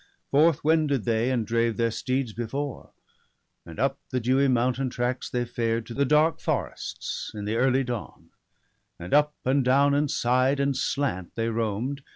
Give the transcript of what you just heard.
Forth wended they, and drave their steeds before; And up the dewy mountain tracks they fared To the dark forests, in the early dawn; And up and down, and side and slant they roam'd.